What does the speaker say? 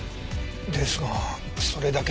ですがそれだけじゃ。